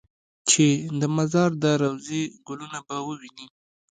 چې د مزار د روضې ګلونه به ووینې.